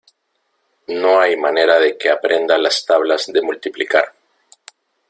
No hay manera de que aprenda las tablas de multiplicar.